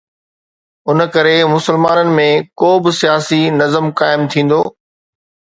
ان ڪري مسلمانن ۾ ڪو به سياسي نظم قائم ٿيندو.